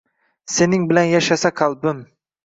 Sening bilan yashasa qalbim;